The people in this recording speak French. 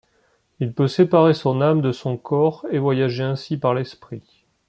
Il peut séparer son âme de son corps, et voyager ainsi par l'esprit.